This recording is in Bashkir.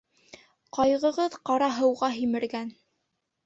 Ҡайғыһыҙ ҡара һыуға һимергән.